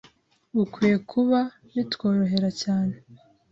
bukwiye kuba bitworohera cyane